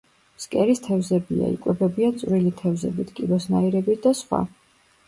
ფსკერის თევზებია, იკვებებიან წვრილი თევზებით, კიბოსნაირებით და სხვა.